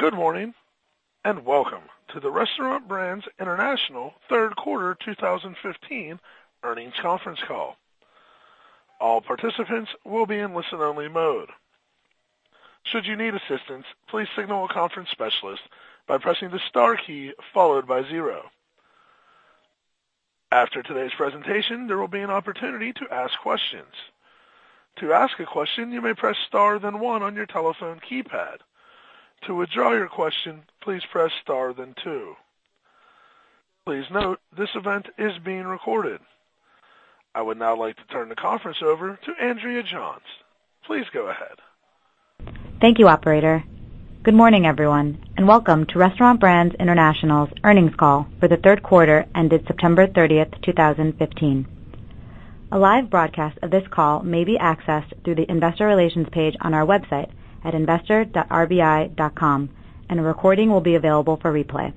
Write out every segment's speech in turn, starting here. Good morning, welcome to the Restaurant Brands International third quarter 2015 earnings conference call. All participants will be in listen-only mode. Should you need assistance, please signal a conference specialist by pressing the star key followed by 0. After today's presentation, there will be an opportunity to ask questions. To ask a question, you may press star then 1 on your telephone keypad. To withdraw your question, please press star then 2. Please note, this event is being recorded. I would now like to turn the conference over to Andrea Johns. Please go ahead. Thank you, operator. Good morning, everyone, welcome to Restaurant Brands International's earnings call for the third quarter ended September 30, 2015. A live broadcast of this call may be accessed through the investor relations page on our website at investor.rbi.com, a recording will be available for replay.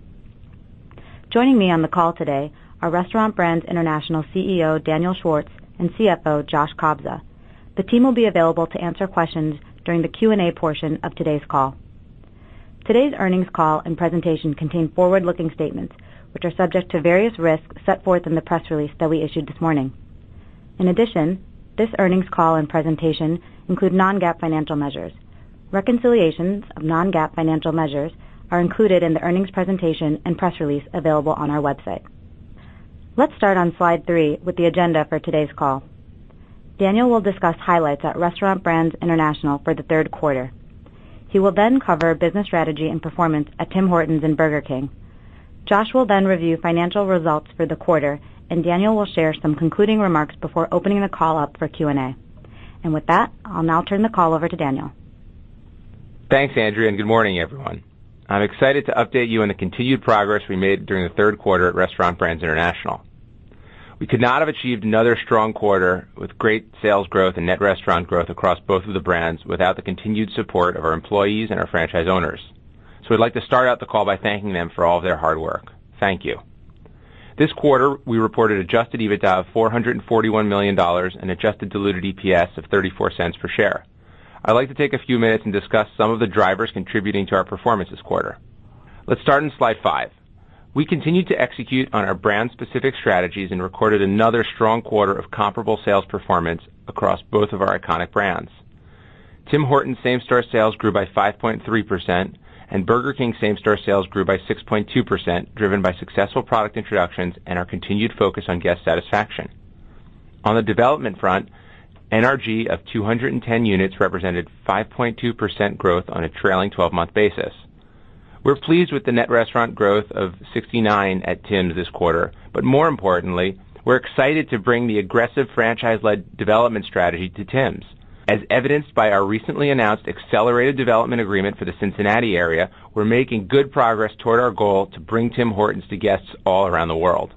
Joining me on the call today are Restaurant Brands International CEO Daniel Schwartz and CFO Joshua Kobza. The team will be available to answer questions during the Q&A portion of today's call. Today's earnings call and presentation contain forward-looking statements, which are subject to various risks set forth in the press release that we issued this morning. In addition, this earnings call and presentation include non-GAAP financial measures. Reconciliations of non-GAAP financial measures are included in the earnings presentation and press release available on our website. Let's start on slide three with the agenda for today's call. Daniel will discuss highlights at Restaurant Brands International for the third quarter. He will then cover business strategy and performance at Tim Hortons and Burger King. Josh will then review financial results for the quarter, Daniel will share some concluding remarks before opening the call up for Q&A. With that, I'll now turn the call over to Daniel. Thanks, Andrea, good morning, everyone. I'm excited to update you on the continued progress we made during the third quarter at Restaurant Brands International. We could not have achieved another strong quarter with great sales growth and net restaurant growth across both of the brands without the continued support of our employees and our franchise owners. We'd like to start out the call by thanking them for all of their hard work. Thank you. This quarter, we reported adjusted EBITDA of $441 million and adjusted diluted EPS of $0.34 per share. I'd like to take a few minutes and discuss some of the drivers contributing to our performance this quarter. Let's start on slide five. We continued to execute on our brand-specific strategies and recorded another strong quarter of comparable sales performance across both of our iconic brands. Tim Hortons same-store sales grew by 5.3%. Burger King same-store sales grew by 6.2%, driven by successful product introductions and our continued focus on guest satisfaction. On the development front, NRG of 210 units represented 5.2% growth on a trailing 12-month basis. We're pleased with the net restaurant growth of 69 at Tims this quarter. More importantly, we're excited to bring the aggressive franchise-led development strategy to Tims. As evidenced by our recently announced accelerated development agreement for the Cincinnati area, we're making good progress toward our goal to bring Tim Hortons to guests all around the world.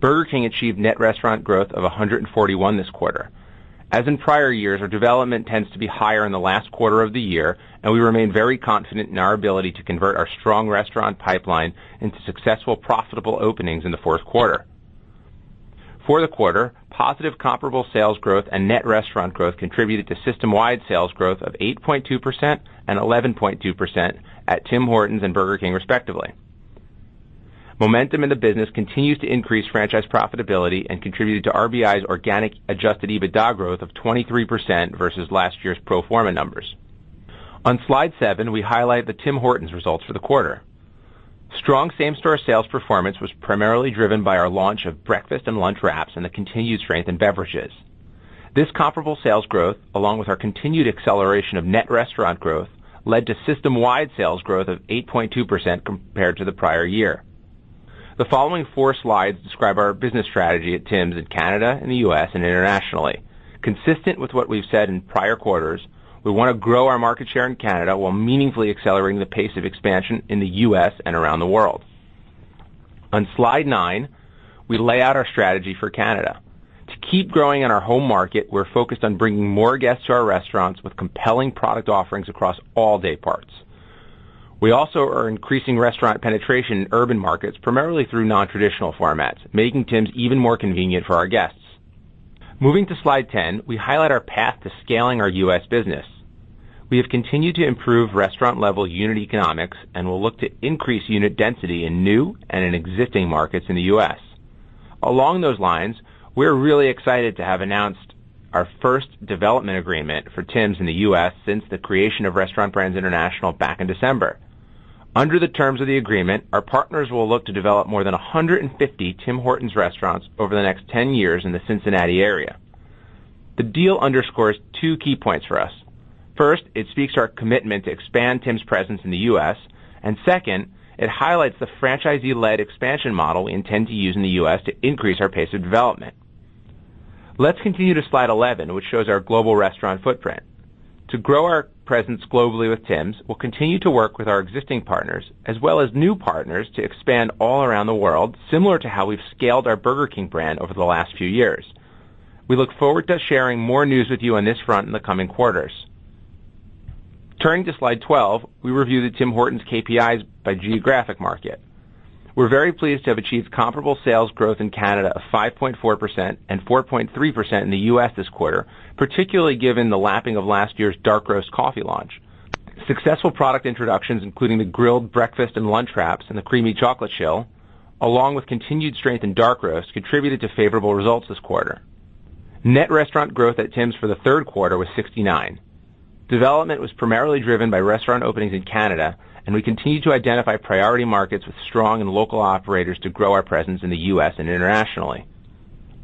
Burger King achieved net restaurant growth of 141 this quarter. As in prior years, our development tends to be higher in the last quarter of the year. We remain very confident in our ability to convert our strong restaurant pipeline into successful, profitable openings in the fourth quarter. For the quarter, positive comparable sales growth and net restaurant growth contributed to system-wide sales growth of 8.2% and 11.2% at Tim Hortons and Burger King, respectively. Momentum in the business continues to increase franchise profitability and contributed to RBI's organic adjusted EBITDA growth of 23% versus last year's pro forma numbers. On slide seven, we highlight the Tim Hortons results for the quarter. Strong same-store sales performance was primarily driven by our launch of breakfast and lunch wraps and the continued strength in beverages. This comparable sales growth, along with our continued acceleration of net restaurant growth, led to system-wide sales growth of 8.2% compared to the prior year. The following four slides describe our business strategy at Tims in Canada and the U.S. and internationally. Consistent with what we've said in prior quarters, we want to grow our market share in Canada while meaningfully accelerating the pace of expansion in the U.S. and around the world. On slide nine, we lay out our strategy for Canada. To keep growing in our home market, we're focused on bringing more guests to our restaurants with compelling product offerings across all day parts. We also are increasing restaurant penetration in urban markets, primarily through non-traditional formats, making Tims even more convenient for our guests. Moving to slide 10, we highlight our path to scaling our U.S. business. We have continued to improve restaurant-level unit economics and will look to increase unit density in new and in existing markets in the U.S. Along those lines, we're really excited to have announced our first development agreement for Tims in the U.S. since the creation of Restaurant Brands International back in December. Under the terms of the agreement, our partners will look to develop more than 150 Tim Hortons restaurants over the next 10 years in the Cincinnati area. The deal underscores two key points for us. First, it speaks to our commitment to expand Tim's presence in the U.S. Second, it highlights the franchisee-led expansion model we intend to use in the U.S. to increase our pace of development. Let's continue to slide 11, which shows our global restaurant footprint. To grow our presence globally with Tims, we'll continue to work with our existing partners, as well as new partners to expand all around the world, similar to how we've scaled our Burger King brand over the last few years. We look forward to sharing more news with you on this front in the coming quarters. Turning to slide 12, we review the Tim Hortons KPIs by geographic market. We are very pleased to have achieved comparable sales growth in Canada of 5.4% and 4.3% in the U.S. this quarter, particularly given the lapping of last year's Dark Roast coffee launch. Successful product introductions, including the grilled breakfast and lunch wraps and the Creamy Chocolate Chill, along with continued strength in Dark Roast, contributed to favorable results this quarter. Net restaurant growth at Tim's for the third quarter was 69. Development was primarily driven by restaurant openings in Canada, and we continue to identify priority markets with strong and local operators to grow our presence in the U.S. and internationally.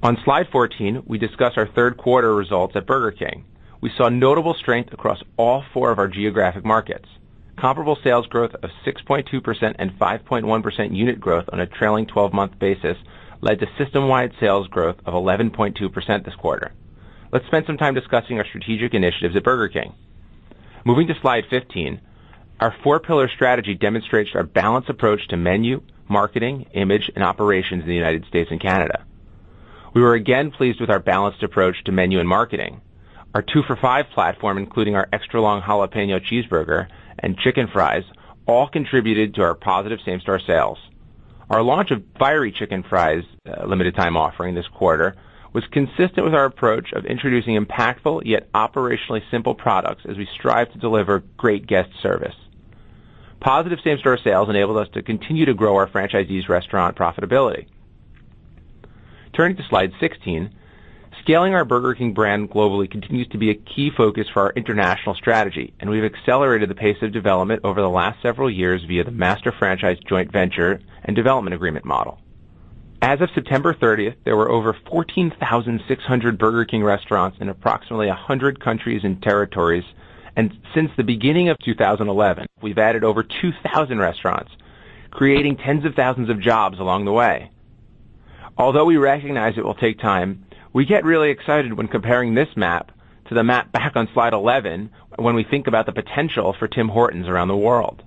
On slide 14, we discuss our third quarter results at Burger King. We saw notable strength across all four of our geographic markets. Comparable sales growth of 6.2% and 5.1% unit growth on a trailing 12-month basis led to system-wide sales growth of 11.2% this quarter. Let's spend some time discussing our strategic initiatives at Burger King. Moving to slide 15, our four-pillar strategy demonstrates our balanced approach to menu, marketing, image, and operations in the United States and Canada. We were again pleased with our balanced approach to menu and marketing. Our 2 for $5 platform, including our Extra Long Jalapeño Cheeseburger and Chicken Fries, all contributed to our positive same-store sales. Our launch of Fiery Chicken Fries limited time offering this quarter was consistent with our approach of introducing impactful yet operationally simple products as we strive to deliver great guest service. Positive same-store sales enabled us to continue to grow our franchisees' restaurant profitability. Turning to slide 16, scaling our Burger King brand globally continues to be a key focus for our international strategy, and we have accelerated the pace of development over the last several years via the master franchise joint venture and development agreement model. As of September 30th, there were over 14,600 Burger King restaurants in approximately 100 countries and territories, and since the beginning of 2011, we have added over 2,000 restaurants, creating tens of thousands of jobs along the way. Although we recognize it will take time, we get really excited when comparing this map to the map back on slide 11 when we think about the potential for Tim Hortons around the world.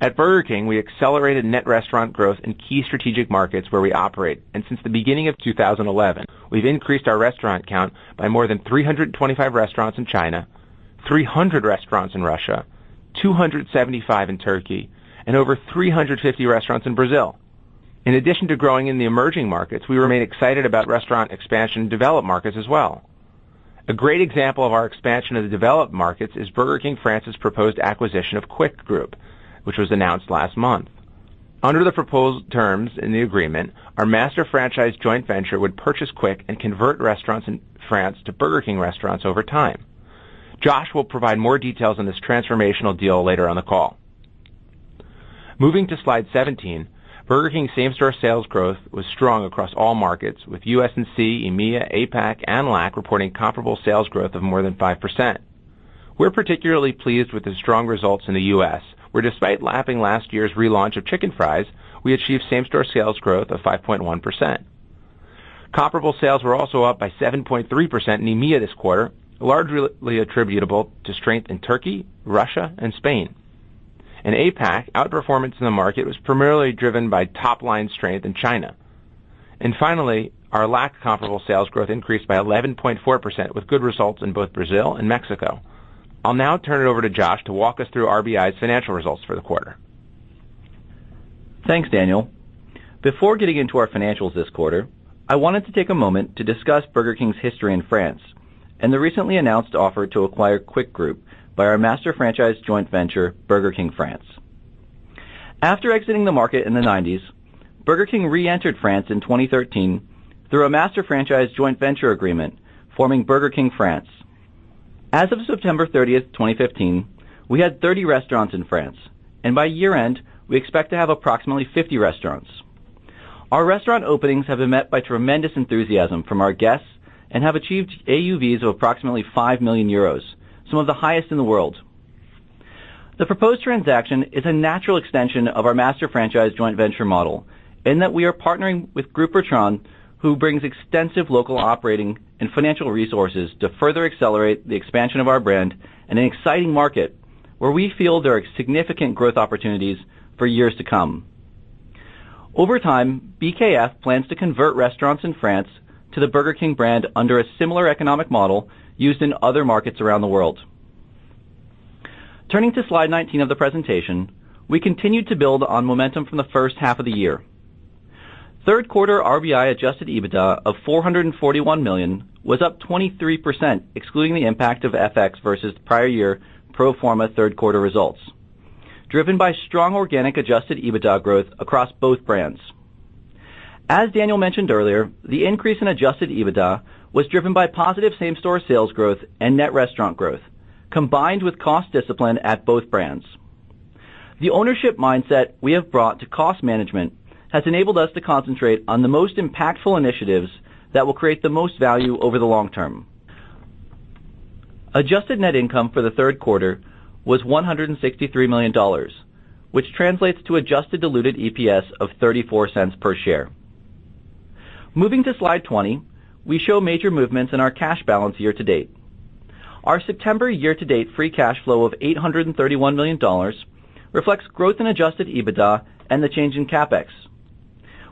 At Burger King, we accelerated net restaurant growth in key strategic markets where we operate, and since the beginning of 2011, we have increased our restaurant count by more than 325 restaurants in China, 300 restaurants in Russia, 275 in Turkey, and over 350 restaurants in Brazil. In addition to growing in the emerging markets, we remain excited about restaurant expansion in developed markets as well. A great example of our expansion of the developed markets is Burger King France's proposed acquisition of Quick Group, which was announced last month. Under the proposed terms in the agreement, our master franchise joint venture would purchase Quick and convert restaurants in France to Burger King restaurants over time. Josh will provide more details on this transformational deal later on the call. Moving to slide 17, Burger King same-store sales growth was strong across all markets, with US & Canada, EMEA, APAC, and LAC reporting comparable sales growth of more than 5%. We're particularly pleased with the strong results in the U.S., where despite lapping last year's relaunch of Chicken Fries, we achieved same-store sales growth of 5.1%. Comparable sales were also up by 7.3% in EMEA this quarter, largely attributable to strength in Turkey, Russia, and Spain. In APAC, outperformance in the market was primarily driven by top-line strength in China. Finally, our LAC comparable sales growth increased by 11.4% with good results in both Brazil and Mexico. I'll now turn it over to Josh to walk us through RBI's financial results for the quarter. Thanks, Daniel. Before getting into our financials this quarter, I wanted to take a moment to discuss Burger King's history in France and the recently announced offer to acquire Quick Group by our master franchise joint venture, Burger King France. After exiting the market in the '90s, Burger King reentered France in 2013 through a master franchise joint venture agreement, forming Burger King France. As of September 30th, 2015, we had 30 restaurants in France, and by year-end, we expect to have approximately 50 restaurants. Our restaurant openings have been met by tremendous enthusiasm from our guests and have achieved AUVs of approximately €5 million, some of the highest in the world. The proposed transaction is a natural extension of our master franchise joint venture model in that we are partnering with Groupe Bertrand, who brings extensive local operating and financial resources to further accelerate the expansion of our brand in an exciting market where we feel there are significant growth opportunities for years to come. Over time, BKF plans to convert restaurants in France to the Burger King brand under a similar economic model used in other markets around the world. Turning to slide 19 of the presentation, we continued to build on momentum from the first half of the year. Third quarter RBI adjusted EBITDA of $441 million was up 23%, excluding the impact of FX versus the prior year pro forma third quarter results, driven by strong organic adjusted EBITDA growth across both brands. As Daniel mentioned earlier, the increase in adjusted EBITDA was driven by positive same-store sales growth and net restaurant growth, combined with cost discipline at both brands. The ownership mindset we have brought to cost management has enabled us to concentrate on the most impactful initiatives that will create the most value over the long term. Adjusted net income for the third quarter was $163 million, which translates to adjusted diluted EPS of $0.34 per share. Moving to slide 20, we show major movements in our cash balance year to date. Our September year-to-date free cash flow of $831 million reflects growth in adjusted EBITDA and the change in CapEx.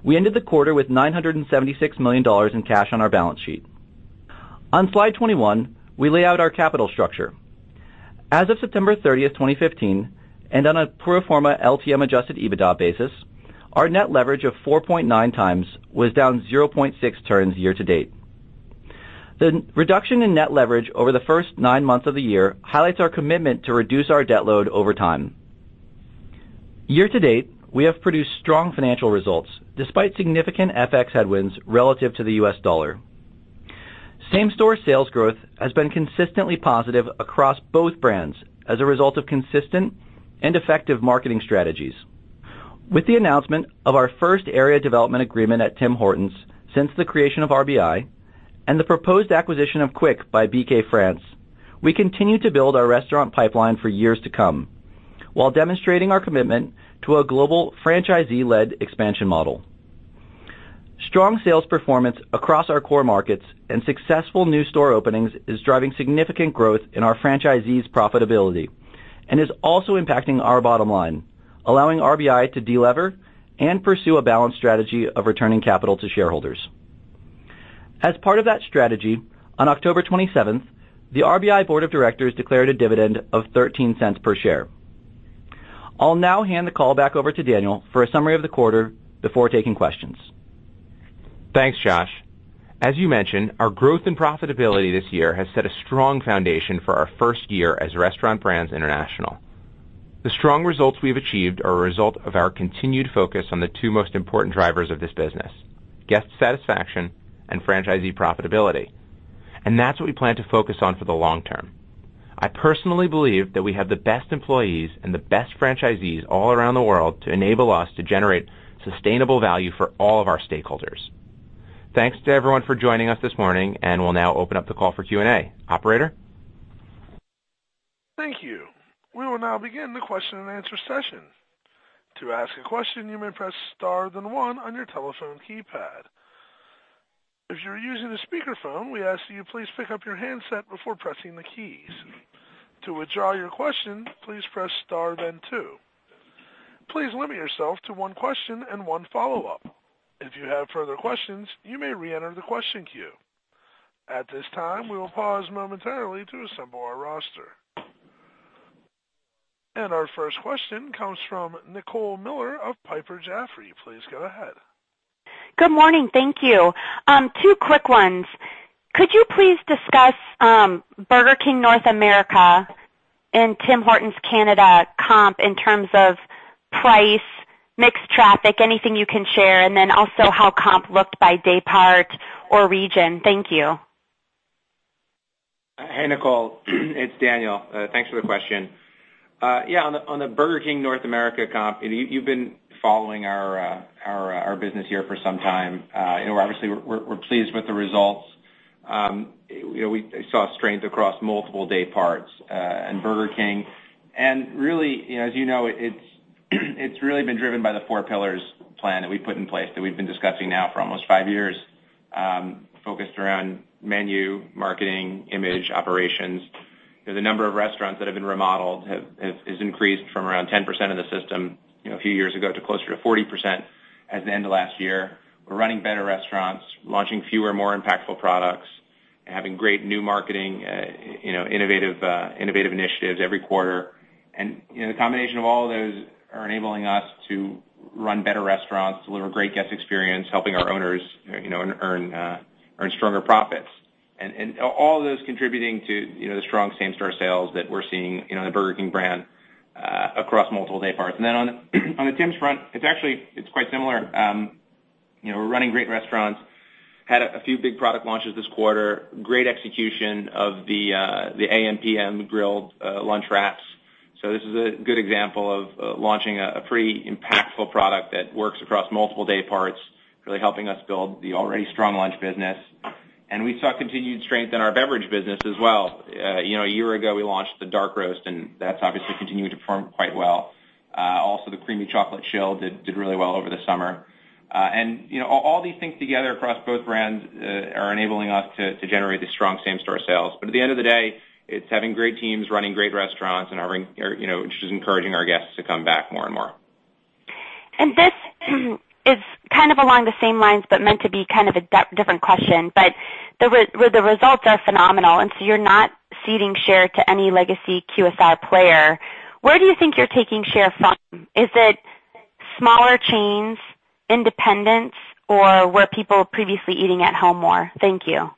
We ended the quarter with $976 million in cash on our balance sheet. On slide 21, we lay out our capital structure. As of September 30th, 2015, on a pro forma LTM adjusted EBITDA basis, our net leverage of 4.9 times was down 0.6 turns year-to-date. The reduction in net leverage over the first nine months of the year highlights our commitment to reduce our debt load over time. Year-to-date, we have produced strong financial results despite significant FX headwinds relative to the U.S. dollar. Same-store sales growth has been consistently positive across both brands as a result of consistent and effective marketing strategies. With the announcement of our first area development agreement at Tim Hortons since the creation of RBI and the proposed acquisition of Quick by BK France, we continue to build our restaurant pipeline for years to come while demonstrating our commitment to a global franchisee-led expansion model. Strong sales performance across our core markets and successful new store openings is driving significant growth in our franchisees' profitability and is also impacting our bottom line, allowing RBI to de-lever and pursue a balanced strategy of returning capital to shareholders. As part of that strategy, on October 27th, the RBI Board of Directors declared a dividend of 0.13 per share. I'll now hand the call back over to Daniel for a summary of the quarter before taking questions. Thanks, Josh. As you mentioned, our growth and profitability this year has set a strong foundation for our first year as Restaurant Brands International. The strong results we've achieved are a result of our continued focus on the two most important drivers of this business, guest satisfaction and franchisee profitability, that's what we plan to focus on for the long term. I personally believe that we have the best employees and the best franchisees all around the world to enable us to generate sustainable value for all of our stakeholders. Thanks to everyone for joining us this morning, we'll now open up the call for Q&A. Operator? Thank you. We will now begin the question and answer session. To ask a question, you may press star then one on your telephone keypad. If you're using a speakerphone, we ask that you please pick up your handset before pressing the keys. To withdraw your question, please press star then two. Please limit yourself to one question and one follow-up. If you have further questions, you may re-enter the question queue. At this time, we will pause momentarily to assemble our roster. Our first question comes from Nicole Miller of Piper Jaffray. Please go ahead. Good morning. Thank you. Two quick ones. Could you please discuss Burger King North America and Tim Hortons Canada comp in terms of price, mixed traffic, anything you can share, and then also how comp looked by day part or region. Thank you. Hey, Nicole. It's Daniel. Thanks for the question. On the Burger King North America comp, you've been following our business here for some time. Obviously, we're pleased with the results. We saw strength across multiple day parts in Burger King. Really, as you know, it's really been driven by the four pillars plan that we put in place that we've been discussing now for almost five years, focused around menu, marketing, image, operations. The number of restaurants that have been remodeled has increased from around 10% of the system a few years ago to closer to 40% at the end of last year. We're running better restaurants, launching fewer, more impactful products, and having great new marketing, innovative initiatives every quarter. The combination of all of those are enabling us to run better restaurants, deliver great guest experience, helping our owners earn stronger profits. All of those contributing to the strong same-store sales that we're seeing in the Burger King brand across multiple day parts. On the Tim's front, it's quite similar. We're running great restaurants. Had a few big product launches this quarter. Great execution of the AMPM grilled lunch wraps. This is a good example of launching a pretty impactful product that works across multiple day parts, really helping us build the already strong lunch business. We saw continued strength in our beverage business as well. A year ago, we launched the Dark Roast, and that's obviously continued to perform quite well. Also, the Creamy Chocolate Chill did really well over the summer. All these things together across both brands are enabling us to generate these strong same-store sales. At the end of the day, it's having great teams running great restaurants and just encouraging our guests to come back more and more. This is kind of along the same lines, meant to be kind of a different question. The results are phenomenal, you're not ceding share to any legacy QSR player. Where do you think you're taking share from? Is it smaller chains, independents, or were people previously eating at home more? Thank you.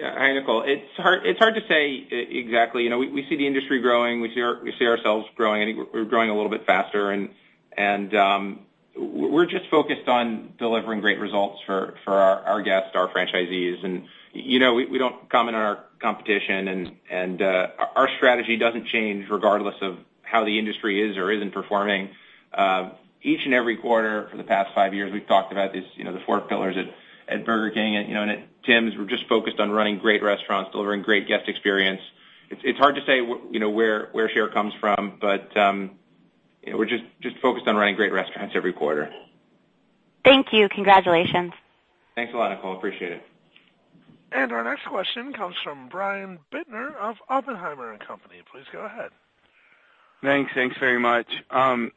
Hi, Nicole. It's hard to say exactly. We see the industry growing. We see ourselves growing. I think we're growing a little bit faster, we're just focused on delivering great results for our guests, our franchisees. We don't comment on our competition, our strategy doesn't change regardless of how the industry is or isn't performing. Each and every quarter for the past five years, we've talked about the four pillars at Burger King and at Tim's. We're just focused on running great restaurants, delivering great guest experience. It's hard to say where share comes from, we're just focused on running great restaurants every quarter. Thank you. Congratulations. Thanks a lot, Nicole. Appreciate it. Our next question comes from Brian Bittner of Oppenheimer & Company. Please go ahead. Thanks very much. I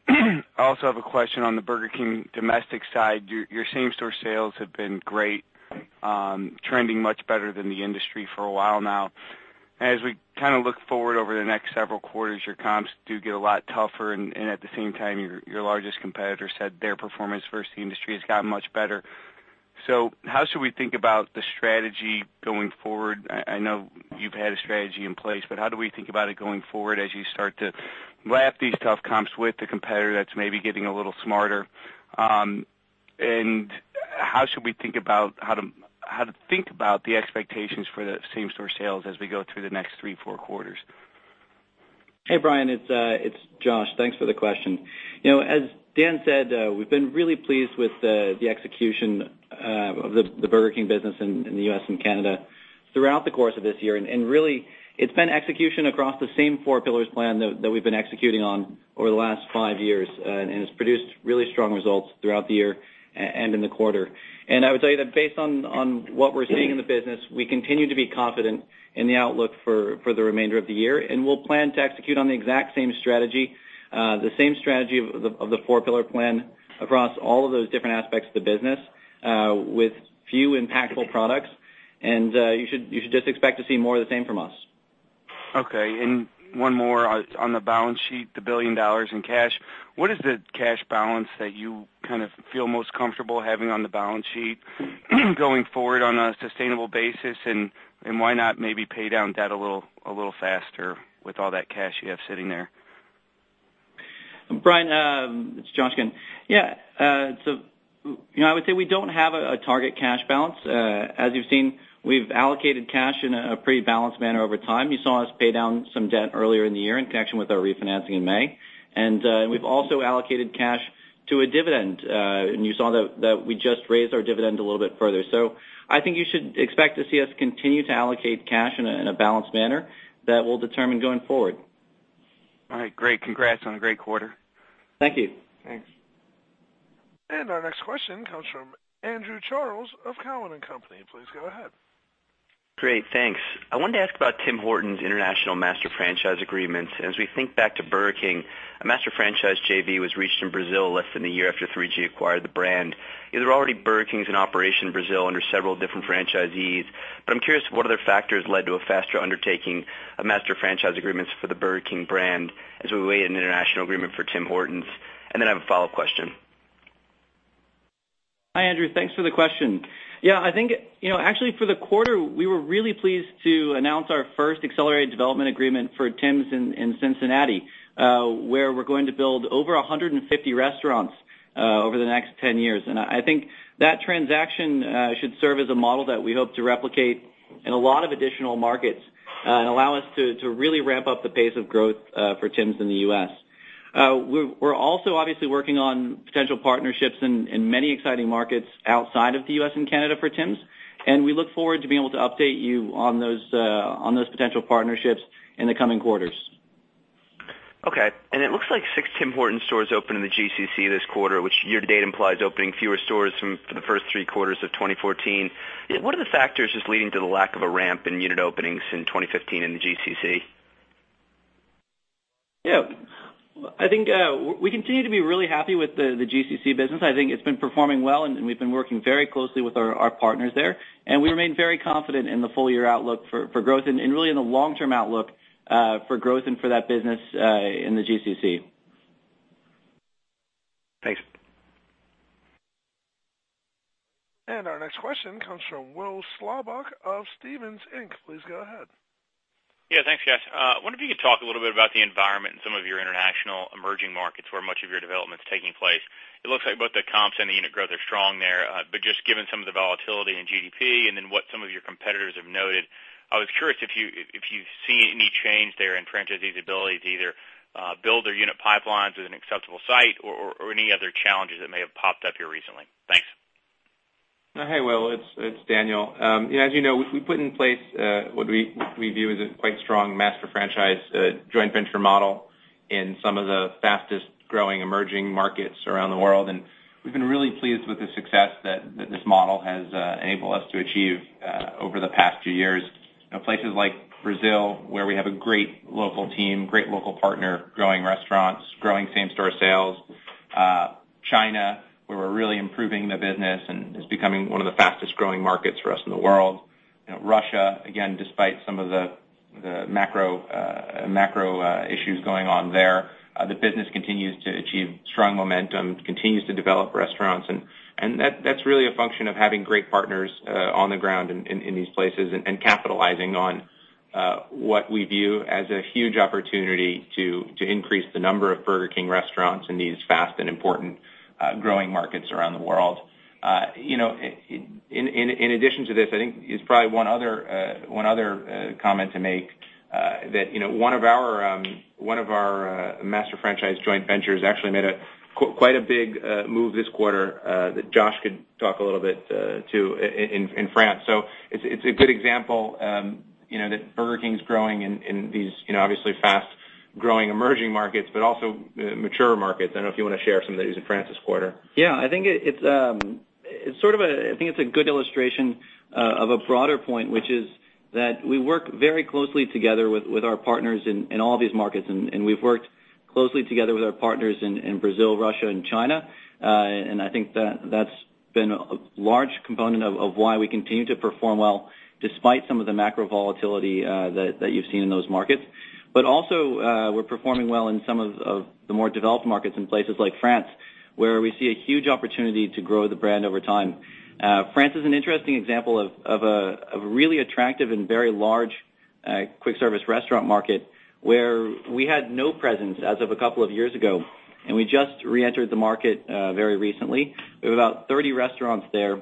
also have a question on the Burger King domestic side. Your same-store sales have been great, trending much better than the industry for a while now. As we look forward over the next several quarters, your comps do get a lot tougher, at the same time, your largest competitor said their performance versus the industry has gotten much better. How should we think about the strategy going forward? I know you've had a strategy in place, but how do we think about it going forward as you start to lap these tough comps with the competitor that's maybe getting a little smarter? How should we think about how to think about the expectations for the same-store sales as we go through the next three, four quarters? Hey, Brian, it's Josh. Thanks for the question. As Dan said, we've been really pleased with the execution of the Burger King business in the US and Canada throughout the course of this year. Really, it's been execution across the same four pillars plan that we've been executing on over the last five years, it's produced really strong results throughout the year and in the quarter. I would tell you that based on what we're seeing in the business, we continue to be confident in the outlook for the remainder of the year, we'll plan to execute on the exact same strategy, the same strategy of the four-pillar plan across all of those different aspects of the business with few impactful products. You should just expect to see more of the same from us. Okay. One more on the balance sheet, the 1 billion dollars in cash. What is the cash balance that you feel most comfortable having on the balance sheet going forward on a sustainable basis? Why not maybe pay down debt a little faster with all that cash you have sitting there? Brian, it's Josh again. I would say we don't have a target cash balance. As you've seen, we've allocated cash in a pretty balanced manner over time. You saw us pay down some debt earlier in the year in connection with our refinancing in May. We've also allocated cash to a dividend. You saw that we just raised our dividend a little bit further. I think you should expect to see us continue to allocate cash in a balanced manner that we'll determine going forward. All right, great. Congrats on a great quarter. Thank you. Thanks. Our next question comes from Andrew Charles of Cowen and Company. Please go ahead. Great. Thanks. I wanted to ask about Tim Hortons international master franchise agreement. As we think back to Burger King, a master franchise JV was reached in Brazil less than a year after 3G Capital acquired the brand. There are already Burger Kings in operation in Brazil under several different franchisees. I'm curious what other factors led to a faster undertaking of master franchise agreements for the Burger King brand as we await an international agreement for Tim Hortons. I have a follow-up question. Hi, Andrew. Thanks for the question. Yeah, I think, actually for the quarter, we were really pleased to announce our first accelerated development agreement for Tims in Cincinnati, where we're going to build over 150 restaurants over the next 10 years. I think that transaction should serve as a model that we hope to replicate in a lot of additional markets and allow us to really ramp up the pace of growth for Tims in the U.S. We're also obviously working on potential partnerships in many exciting markets outside of the U.S. and Canada for Tims, and we look forward to being able to update you on those potential partnerships in the coming quarters. Okay. It looks like six Tim Hortons stores opened in the GCC this quarter, which year to date implies opening fewer stores for the first three quarters of 2014. What are the factors just leading to the lack of a ramp in unit openings in 2015 in the GCC? Yeah. I think we continue to be really happy with the GCC business. I think it's been performing well, and we've been working very closely with our partners there, and we remain very confident in the full-year outlook for growth and really in the long-term outlook for growth and for that business in the GCC. Thanks. Our next question comes from Will Slabaugh of Stephens Inc. Please go ahead. Yeah, thanks, guys. I wonder if you could talk a little bit about the environment in some of your international emerging markets where much of your development's taking place. It looks like both the comps and the unit growth are strong there, but just given some of the volatility in GDP and what some of your competitors have noted, I was curious if you've seen any change there in franchisees' ability to either build their unit pipelines as an acceptable site or any other challenges that may have popped up here recently. Thanks. Hey, Will, it's Daniel. As you know, we put in place what we view as a quite strong master franchise joint venture model in some of the fastest-growing emerging markets around the world. We've been really pleased with the success that this model has enabled us to achieve over the past few years. Places like Brazil, where we have a great local team, great local partner, growing restaurants, growing same-store sales. China, where we're really improving the business, and is becoming one of the fastest-growing markets for us in the world. Russia, again, despite some of the macro issues going on there, the business continues to achieve strong momentum, continues to develop restaurants, and that's really a function of having great partners on the ground in these places and capitalizing on what we view as a huge opportunity to increase the number of Burger King restaurants in these fast and important growing markets around the world. In addition to this, I think is probably one other comment to make, that one of our master franchise joint ventures actually made quite a big move this quarter that Josh could talk a little bit to in France. It's a good example that Burger King's growing in these obviously fast-growing emerging markets, but also mature markets. I don't know if you want to share some of the news in France this quarter. It's a good illustration of a broader point, which is that we work very closely together with our partners in all these markets, and we've worked closely together with our partners in Brazil, Russia, and China. I think that's been a large component of why we continue to perform well despite some of the macro volatility that you've seen in those markets. Also, we're performing well in some of the more developed markets in places like France, where we see a huge opportunity to grow the brand over time. France is an interesting example of a really attractive and very large quick service restaurant market where we had no presence as of a couple of years ago, and we just reentered the market very recently. We have about 30 restaurants there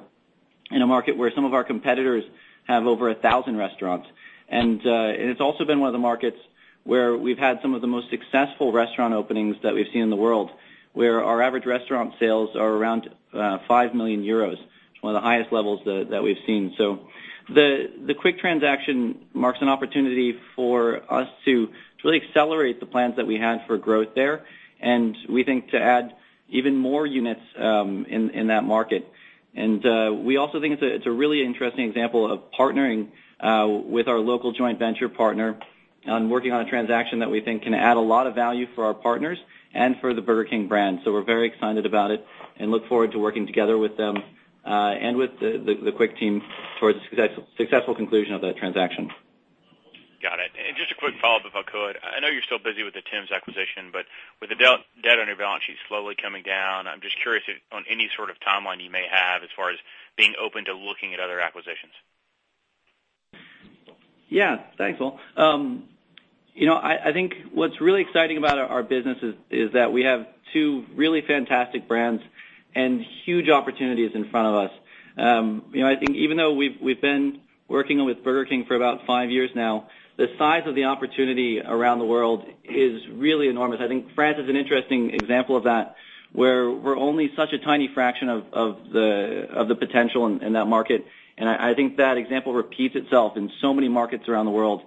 in a market where some of our competitors have over 1,000 restaurants. It's also been one of the markets where we've had some of the most successful restaurant openings that we've seen in the world, where our average restaurant sales are around 5 million euros, one of the highest levels that we've seen. The Quick transaction marks an opportunity for us to really accelerate the plans that we had for growth there, and we think to add even more units in that market. We also think it's a really interesting example of partnering with our local joint venture partner on working on a transaction that we think can add a lot of value for our partners and for the Burger King brand. We're very excited about it and look forward to working together with them, and with the Quick team towards the successful conclusion of that transaction. Got it. Just a quick follow-up, if I could. I know you're still busy with the Tim's acquisition, but with the debt on your balance sheet slowly coming down, I'm just curious on any sort of timeline you may have as far as being open to looking at other acquisitions. Yeah. Thanks, Will. I think what's really exciting about our business is that we have two really fantastic brands and huge opportunities in front of us. I think even though we've been working with Burger King for about five years now, the size of the opportunity around the world is really enormous. I think France is an interesting example of that, where we're only such a tiny fraction of the potential in that market, and I think that example repeats itself in so many markets around the world.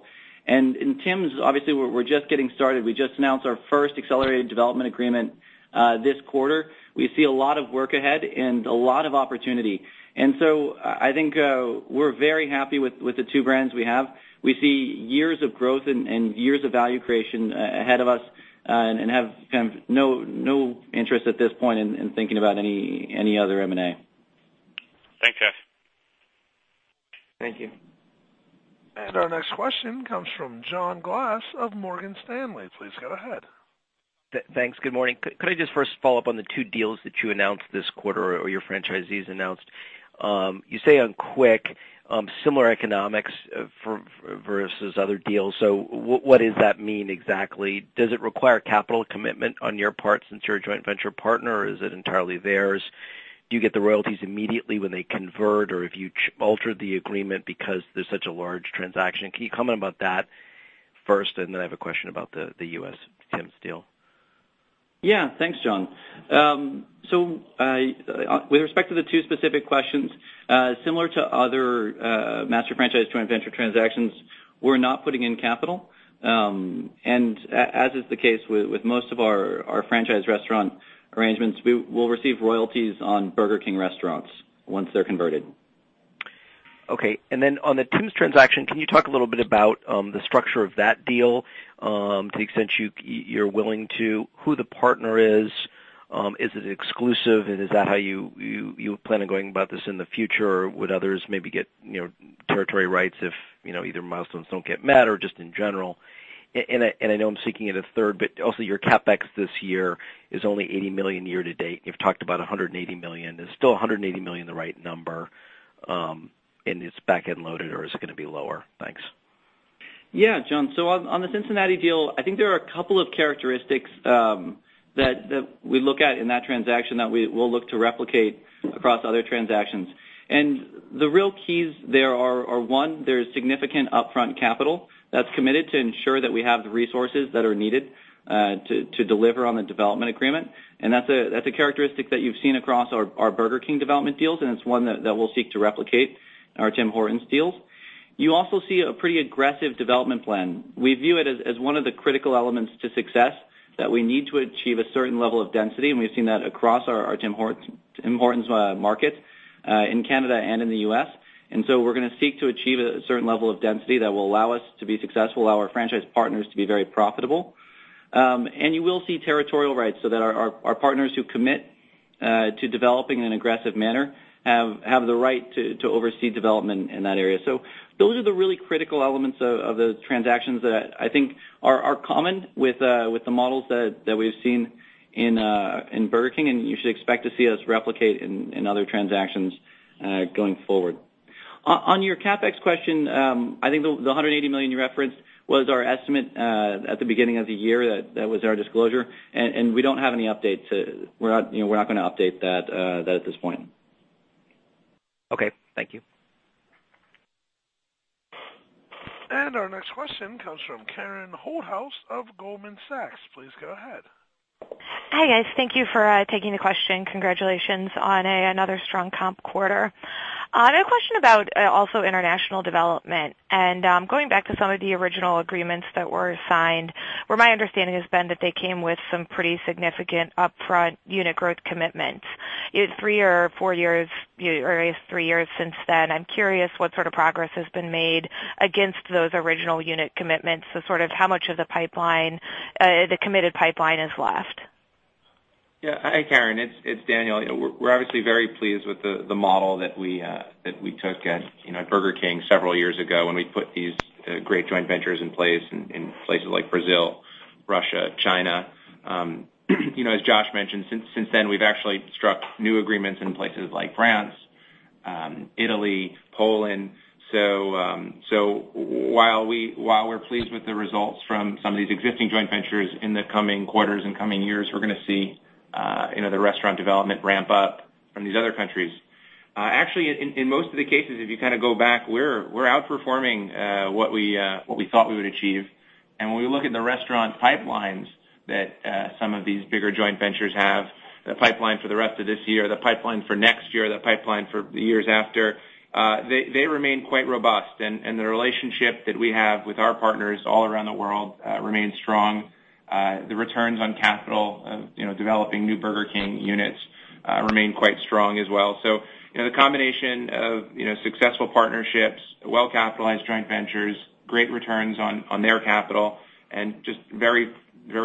In Tim's, obviously, we're just getting started. We just announced our first accelerated development agreement this quarter. We see a lot of work ahead and a lot of opportunity. I think we're very happy with the two brands we have. We see years of growth and years of value creation ahead of us and have no interest at this point in thinking about any other M&A. Thanks, Josh. Thank you. Our next question comes from John Glass of Morgan Stanley. Please go ahead. Thanks. Good morning. Could I just first follow up on the two deals that you announced this quarter, or your franchisees announced? You say on Quick, similar economics versus other deals. What does that mean exactly? Does it require capital commitment on your part since you're a joint venture partner, or is it entirely theirs? Do you get the royalties immediately when they convert? If you altered the agreement because there's such a large transaction, can you comment about that first, and then I have a question about the U.S. Tim's deal. Yeah. Thanks, John. With respect to the two specific questions, similar to other master franchise joint venture transactions, we're not putting in capital. As is the case with most of our franchise restaurant arrangements, we'll receive royalties on Burger King restaurants once they're converted. Okay. On the Tim's transaction, can you talk a little bit about the structure of that deal to the extent you're willing to, who the partner is? Is it exclusive, and is that how you plan on going about this in the future? Would others maybe get territory rights if either milestones don't get met or just in general? I know I'm seeking it a third, but also your CapEx this year is only 80 million year-to-date. You've talked about 180 million. Is still 180 million the right number, and it's back-end loaded, or is it going to be lower? Thanks. Yeah, John. On the Cincinnati deal, I think there are a couple of characteristics that we look at in that transaction that we'll look to replicate across other transactions. The real keys there are, one, there's significant upfront capital that's committed to ensure that we have the resources that are needed to deliver on the development agreement, and that's a characteristic that you've seen across our Burger King development deals, and it's one that we'll seek to replicate in our Tim Hortons deals. You also see a pretty aggressive development plan. We view it as one of the critical elements to success that we need to achieve a certain level of density. We've seen that across our Tim Hortons markets in Canada and in the U.S. We're going to seek to achieve a certain level of density that will allow us to be successful, allow our franchise partners to be very profitable. You will see territorial rights so that our partners who commit to developing in an aggressive manner have the right to oversee development in that area. Those are the really critical elements of the transactions that I think are common with the models that we've seen in Burger King, and you should expect to see us replicate in other transactions going forward. On your CapEx question, I think the 180 million you referenced was our estimate at the beginning of the year. That was our disclosure, and we don't have any update. We're not going to update that at this point. Okay. Thank you. Our next question comes from Karen Holthouse of Goldman Sachs. Please go ahead. Hi, guys. Thank you for taking the question. Congratulations on another strong comp quarter. I had a question about also international development. Going back to some of the original agreements that were signed, where my understanding has been that they came with some pretty significant upfront unit growth commitments. Three or four years, or at least three years since then, I'm curious what sort of progress has been made against those original unit commitments. How much of the committed pipeline is left? Hi, Karen, it's Daniel. We're obviously very pleased with the model that we took at Burger King several years ago when we put these great joint ventures in place in places like Brazil, Russia, China. As Josh mentioned, since then, we've actually struck new agreements in places like France, Italy, Poland. While we're pleased with the results from some of these existing joint ventures in the coming quarters and coming years, we're going to see the restaurant development ramp up from these other countries. Actually, in most of the cases, if you go back, we're outperforming what we thought we would achieve. When we look at the restaurant pipelines that some of these bigger joint ventures have, the pipeline for the rest of this year, the pipeline for next year, the pipeline for years after, they remain quite robust. The relationship that we have with our partners all around the world remains strong. The returns on capital of developing new Burger King units remain quite strong as well. The combination of successful partnerships, well-capitalized joint ventures, great returns on their capital, and just very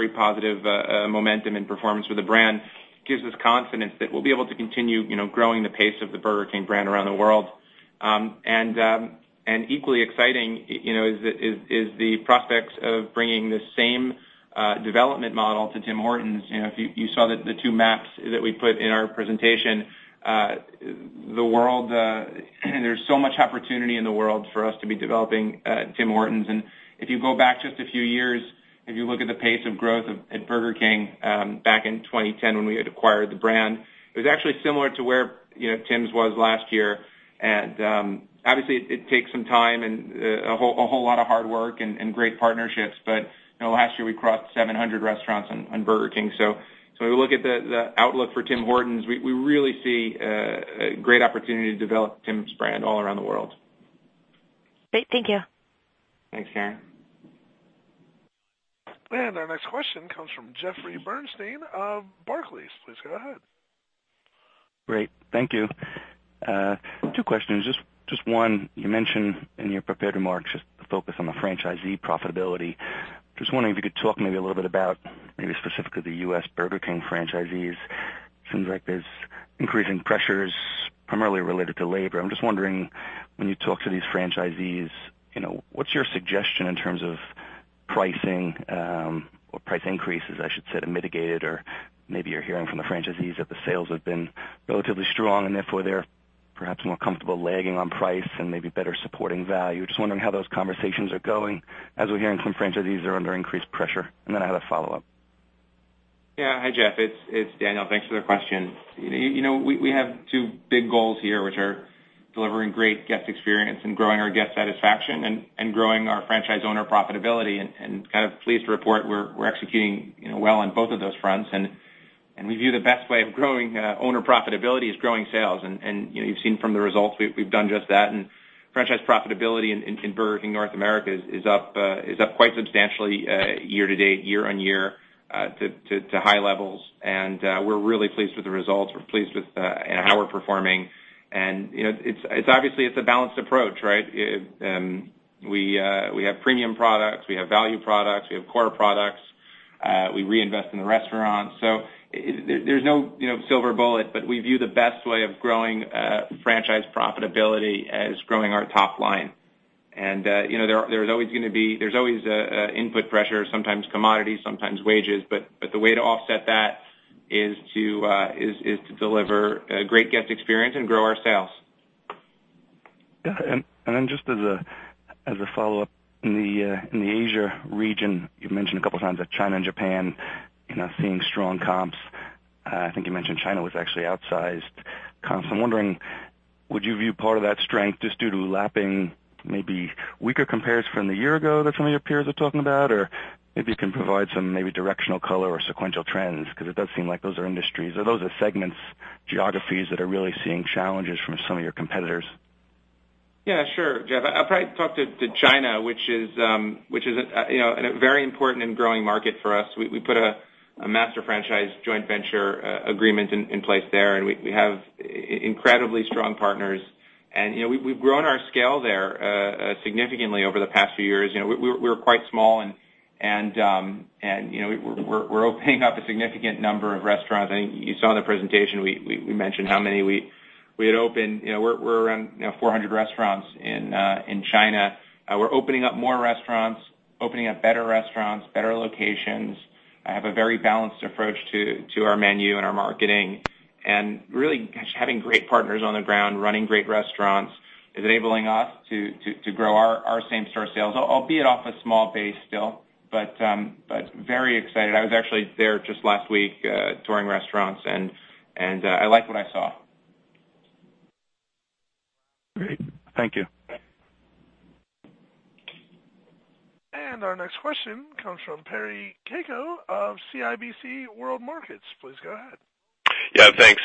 positive momentum and performance with the brand gives us confidence that we'll be able to continue growing the pace of the Burger King brand around the world. Equally exciting is the prospects of bringing this same development model to Tim Hortons. If you saw the two maps that we put in our presentation, there's so much opportunity in the world for us to be developing Tim Hortons. If you go back just a few years, if you look at the pace of growth at Burger King back in 2010 when we had acquired the brand, it was actually similar to where Tim's was last year. Obviously, it takes some time and a whole lot of hard work and great partnerships, but last year we crossed 700 restaurants on Burger King. We look at the outlook for Tim Hortons, we really see a great opportunity to develop Tim's brand all around the world. Great. Thank you. Thanks, Karen. Our next question comes from Jeffrey Bernstein of Barclays. Please go ahead. Great. Thank you. Two questions. Just one, you mentioned in your prepared remarks, just the focus on the franchisee profitability. Just wondering if you could talk maybe a little bit about maybe specifically the U.S. Burger King franchisees. Seems like there's increasing pressures primarily related to labor. I'm just wondering, when you talk to these franchisees, what's your suggestion in terms of pricing, or price increases I should say, to mitigate it? Or maybe you're hearing from the franchisees that the sales have been relatively strong, and therefore, they're perhaps more comfortable lagging on price and maybe better supporting value. Just wondering how those conversations are going as we're hearing some franchisees are under increased pressure. Then I have a follow-up. Yeah. Hi, Jeff. It's Daniel. Thanks for the question. We have two big goals here, which are delivering great guest experience and growing our guest satisfaction and growing our franchise owner profitability, and pleased to report we're executing well on both of those fronts. We view the best way of growing owner profitability is growing sales. You've seen from the results, we've done just that. Franchise profitability in Burger King North America is up quite substantially year-to-date, year-on-year, to high levels. We're really pleased with the results. We're pleased with how we're performing. Obviously, it's a balanced approach, right? We have premium products, we have value products, we have core products, we reinvest in the restaurant. There's no silver bullet, but we view the best way of growing franchise profitability as growing our top line. There is always input pressure, sometimes commodities, sometimes wages, but the way to offset that is to deliver a great guest experience and grow our sales. Yeah. Just as a follow-up, in the Asia region, you've mentioned a couple of times that China and Japan seeing strong comps. I think you mentioned China was actually outsized comps. I'm wondering, would you view part of that strength just due to lapping maybe weaker compares from the year ago that some of your peers are talking about? Or maybe you can provide some maybe directional color or sequential trends, because it does seem like those are industries or those are segments, geographies that are really seeing challenges from some of your competitors. Yeah, sure, Jeff. I'll probably talk to China, which is a very important and growing market for us. We put a master franchise joint venture agreement in place there, and we have incredibly strong partners. We've grown our scale there significantly over the past few years. We were quite small, and we're opening up a significant number of restaurants. I think you saw in the presentation, we mentioned how many we had opened. We're around 400 restaurants in China. We're opening up more restaurants, opening up better restaurants, better locations, have a very balanced approach to our menu and our marketing, and really having great partners on the ground running great restaurants is enabling us to grow our same-store sales, albeit off a small base still, but very excited. I was actually there just last week touring restaurants, and I liked what I saw. Great. Thank you. Our next question comes from Perry Caicco of CIBC World Markets. Please go ahead. Yeah, thanks.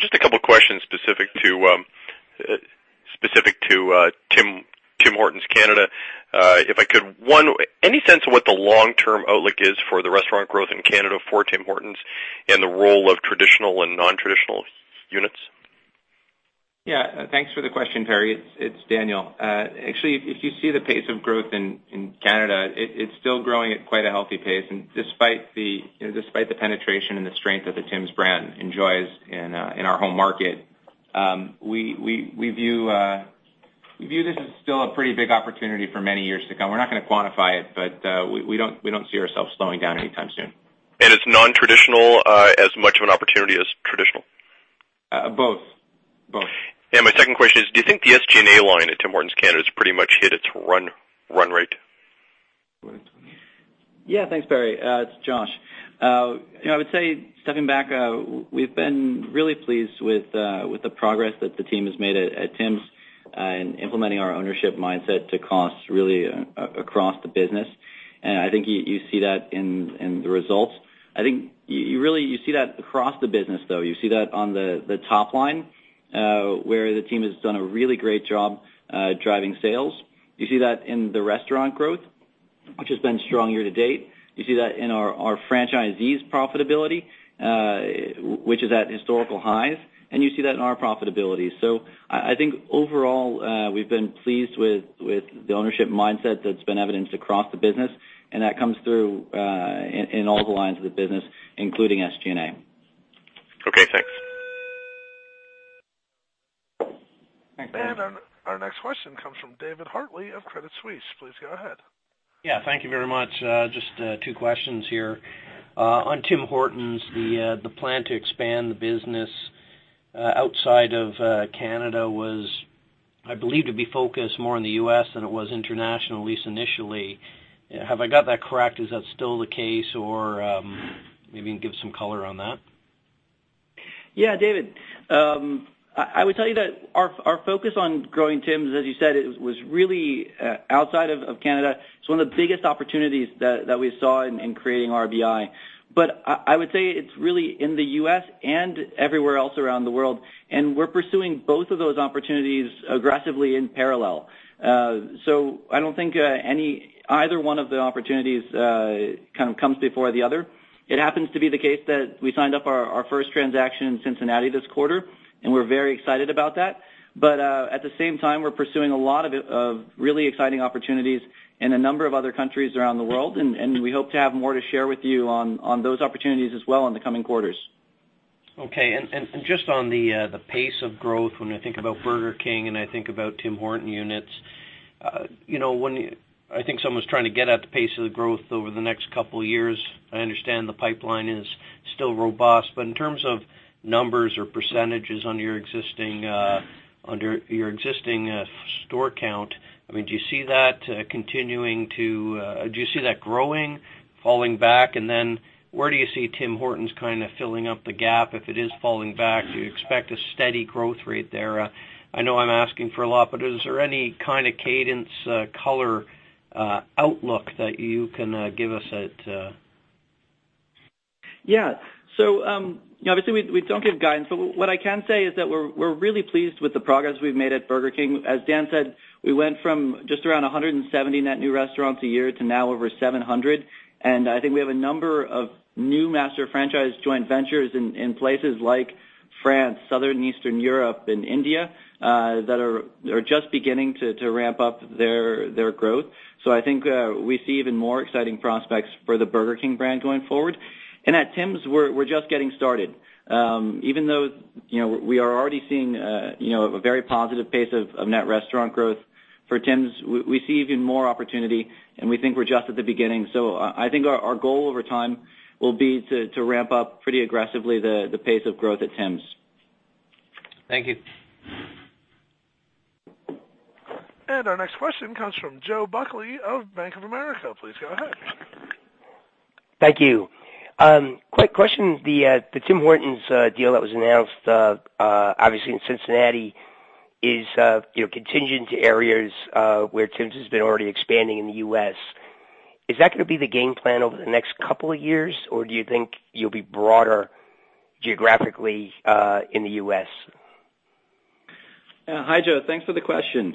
Just a couple questions specific to Tim Hortons Canada, if I could. One, any sense of what the long-term outlook is for the restaurant growth in Canada for Tim Hortons and the role of traditional and non-traditional units? Yeah. Thanks for the question, Perry. It's Daniel. Actually, if you see the pace of growth in Canada, it's still growing at quite a healthy pace. Despite the penetration and the strength that the Tim's brand enjoys in our home market, we view this as still a pretty big opportunity for many years to come. We're not going to quantify it, but we don't see ourselves slowing down anytime soon. It's non-traditional as much of an opportunity as traditional? Both. My second question is, do you think the SG&A line at Tim Hortons Canada has pretty much hit its run rate? Yeah. Thanks, Perry. It's Josh. I would say, stepping back, we've been really pleased with the progress that the team has made at Tim's in implementing our ownership mindset to costs really across the business. I think you see that in the results. I think you see that across the business, though. You see that on the top line, where the team has done a really great job driving sales. You see that in the restaurant growth, which has been strong year to date. You see that in our franchisees' profitability, which is at historical highs, and you see that in our profitability. I think overall, we've been pleased with the ownership mindset that's been evidenced across the business and that comes through in all the lines of the business, including SG&A. Okay, thanks. Our next question comes from David Hartley of Credit Suisse. Please go ahead. Thank you very much. Just two questions here. On Tim Hortons, the plan to expand the business outside of Canada was, I believe, to be focused more on the U.S. than it was international, at least initially. Have I got that correct? Is that still the case, or maybe you can give some color on that? David. I would tell you that our focus on growing Tim's, as you said, was really outside of Canada. It's one of the biggest opportunities that we saw in creating RBI. I would say it's really in the U.S. and everywhere else around the world, and we're pursuing both of those opportunities aggressively in parallel. I don't think either one of the opportunities comes before the other. It happens to be the case that we signed up our first transaction in Cincinnati this quarter, and we're very excited about that. At the same time, we're pursuing a lot of really exciting opportunities in a number of other countries around the world, and we hope to have more to share with you on those opportunities as well in the coming quarters. Okay. Just on the pace of growth, when I think about Burger King and I think about Tim Hortons units, I think someone's trying to get at the pace of the growth over the next couple of years. I understand the pipeline is still robust, in terms of numbers or percentages under your existing store count, do you see that growing, falling back, and then where do you see Tim Hortons filling up the gap? If it is falling back, do you expect a steady growth rate there? I know I'm asking for a lot, is there any kind of cadence color outlook that you can give us? Obviously we don't give guidance, what I can say is that we're really pleased with the progress we've made at Burger King. As Dan said, we went from just around 170 net new restaurants a year to now over 700, I think we have a number of new master franchise joint ventures in places like France, Southeastern Europe, and India, that are just beginning to ramp up their growth. I think we see even more exciting prospects for the Burger King brand going forward. At Tim's, we're just getting started. Even though we are already seeing a very positive pace of net restaurant growth for Tim's, we see even more opportunity, and we think we're just at the beginning. I think our goal over time will be to ramp up pretty aggressively the pace of growth at Tim's. Thank you. Our next question comes from Joseph Buckley of Bank of America. Please go ahead. Thank you. Quick question. The Tim Hortons deal that was announced, obviously in Cincinnati, is contingent to areas where Tim's has been already expanding in the U.S. Is that going to be the game plan over the next couple of years, or do you think you'll be broader geographically in the U.S.? Hi, Joe. Thanks for the question.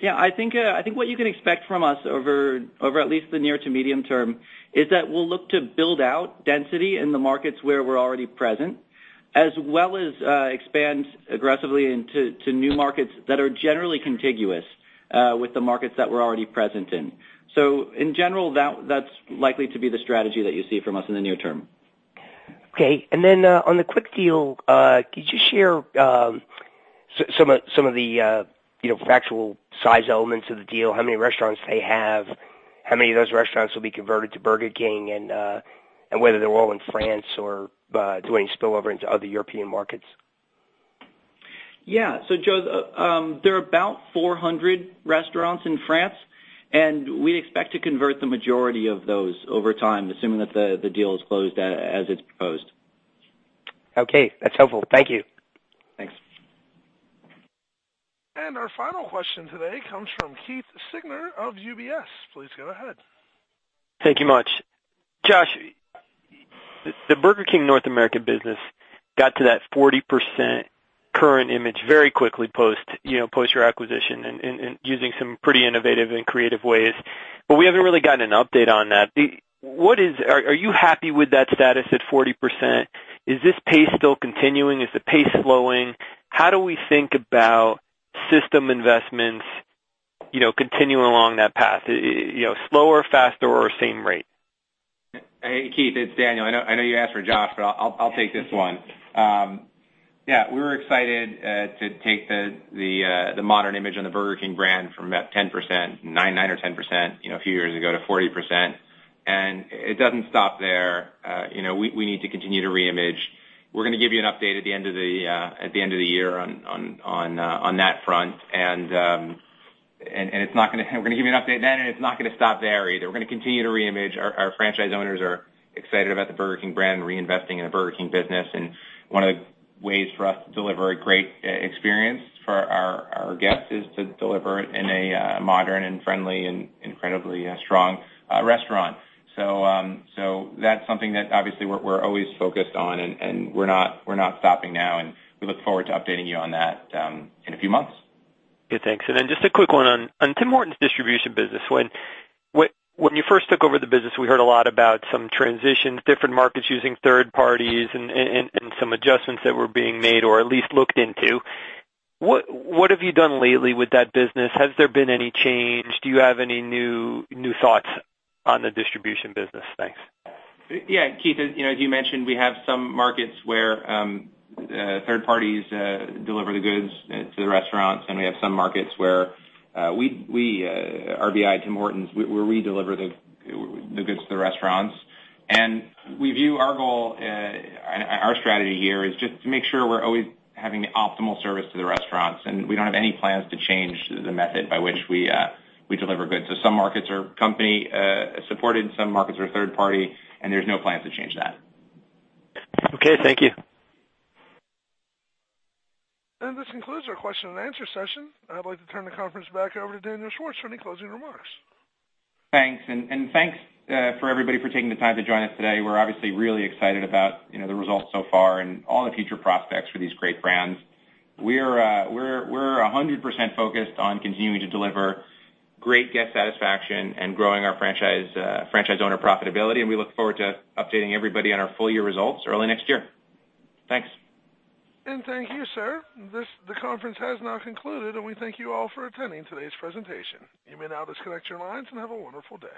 Yeah, I think what you can expect from us over at least the near to medium term is that we'll look to build out density in the markets where we're already present, as well as expand aggressively into new markets that are generally contiguous with the markets that we're already present in. In general, that's likely to be the strategy that you see from us in the near term. Okay. Then on the Quick Deal, could you share some of the factual size elements of the deal? How many restaurants they have, how many of those restaurants will be converted to Burger King, and whether they are all in France or do any spill-over into other European markets? Yeah. Joe, there are about 400 restaurants in France, and we expect to convert the majority of those over time, assuming that the deal is closed as it's proposed. Okay, that's helpful. Thank you. Thanks. Our final question today comes from Keith Siegner of UBS. Please go ahead. Thank you much. Josh, the Burger King North American business got to that 40% current image very quickly post your acquisition and using some pretty innovative and creative ways. We haven't really gotten an update on that. Are you happy with that status at 40%? Is this pace still continuing? Is the pace slowing? How do we think about system investments continuing along that path, slower, faster, or same rate? Hey, Keith, it's Daniel. I know you asked for Josh, but I'll take this one. We were excited to take the modern image on the Burger King brand from that 9% or 10% a few years ago to 40%. It doesn't stop there. We need to continue to re-image. We're going to give you an update at the end of the year on that front. We're going to give you an update then, it's not going to stop there either. We're going to continue to re-image. Our franchise owners are excited about the Burger King brand, reinvesting in the Burger King business. One of the ways for us to deliver a great experience for our guests is to deliver it in a modern and friendly and incredibly strong restaurant. That's something that obviously we're always focused on, we're not stopping now, we look forward to updating you on that in a few months. Good, thanks. Just a quick one on Tim Hortons distribution business. When you first took over the business, we heard a lot about some transitions, different markets using third parties, some adjustments that were being made or at least looked into. What have you done lately with that business? Has there been any change? Do you have any new thoughts on the distribution business? Thanks. Yeah, Keith, as you mentioned, we have some markets where third parties deliver the goods to the restaurants, and we have some markets where we, RBI Tim Hortons, where we deliver the goods to the restaurants. We view our goal and our strategy here is just to make sure we're always having the optimal service to the restaurants, and we don't have any plans to change the method by which we deliver goods. Some markets are company supported, some markets are third party, and there's no plans to change that. Okay, thank you. This concludes our question and answer session. I'd like to turn the conference back over to Daniel Schwartz for any closing remarks. Thanks. Thanks for everybody for taking the time to join us today. We're obviously really excited about the results so far and all the future prospects for these great brands. We're 100% focused on continuing to deliver great guest satisfaction and growing our franchise owner profitability, and we look forward to updating everybody on our full year results early next year. Thanks. Thank you, sir. The conference has now concluded, and we thank you all for attending today's presentation. You may now disconnect your lines and have a wonderful day.